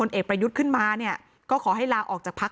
และการแสดงสมบัติของแคนดิเดตนายกนะครับ